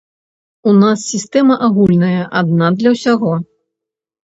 У нас сістэма агульная, адна для ўсяго.